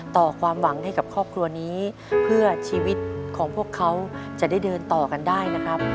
ต่อความหวังให้กับครอบครัวนี้เพื่อชีวิตของพวกเขาจะได้เดินต่อกันได้นะครับ